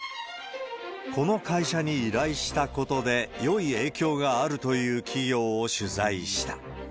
この会社に依頼したことで、よい影響があるという企業を取材した。